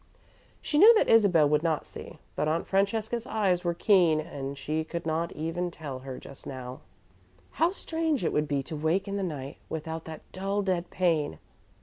She knew that Isabel would not see, but Aunt Francesca's eyes were keen and she could not tell even her just now. How strange it would be to wake in the night, without that dull, dead pain!